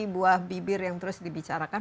buah bibir yang terus dibicarakan